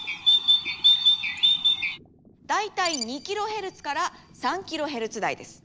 大体２キロヘルツから３キロヘルツ台です。